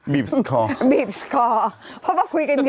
บิบส์คอร์เพราะว่าคุยกันเยอะไง